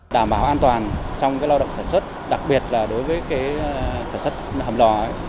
đảm bảo an toàn trong cái lao động sản xuất đặc biệt là đối với cái sản xuất hầm lò ấy